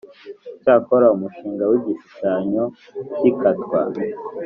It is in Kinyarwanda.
Icyakora umushinga w igishushanyo cy ikatwa